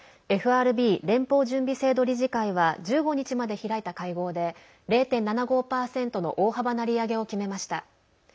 ＦＲＢ＝連邦準備制度理事会は１５日まで開いた会合で０．７５％の大幅な利上げを決めました。